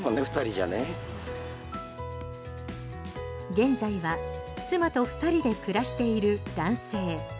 現在は妻と２人で暮らしている男性。